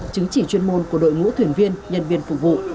chứng chỉ chuyên môn của đội ngũ thuyền viên nhân viên phục vụ